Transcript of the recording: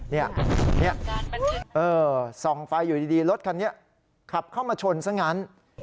นี่ส่องไฟอยู่ดีรถคันนี้ขับเข้ามาชนซะงั้น